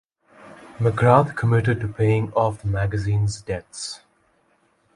McGrath committed to paying off the magazine's debts.